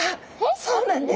そうなんです。